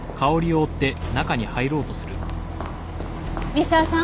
三沢さん。